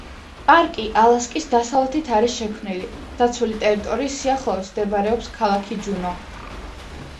პარკი ალასკის დასავლეთით არის შექმნილი, დაცული ტერიტორიის სიახლოვეს მდებარეობს ქალაქი ჯუნო.